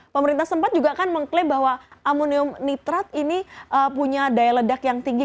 pemerintah sempat juga kan mengklaim bahwa amonium nitrat ini punya daya ledak yang tinggi